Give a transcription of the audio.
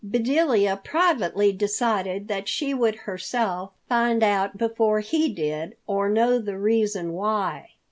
Bedelia privately decided that she would herself find out before he did, or know the reason why.